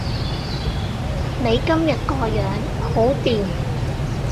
你今日個樣好掂